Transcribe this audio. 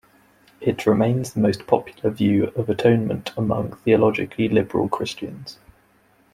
It remains the most popular view of atonement among theologically liberal Christians.